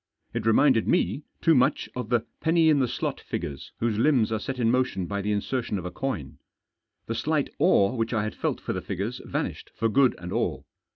It reminded me too much of the penny in the slot figures whose limbs are set in motion by the insertion of a coin. The slight awe which I had felt for the figures vanished for good and all.